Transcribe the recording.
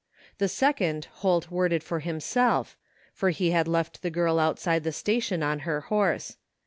The second Holt worded for him self, for he had left the girl outside the station on her horse.